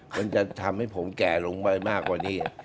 มันจะทำให้ผมแก่ลงไปมากกว่านี้